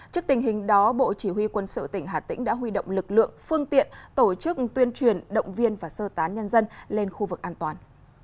trước tình hình đó bộ chỉ huy quân sự tỉnh hà tĩnh đã huy động lực lượng phương tiện tổ chức tuyên truyền động viên và sơ tán nhân dân lên khu vực an toàn